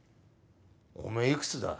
おめえいくつだ？